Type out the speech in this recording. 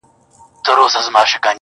حقيقت لا هم نيمګړی ښکاري ډېر,